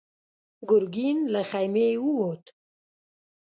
ګرګين له خيمې ووت.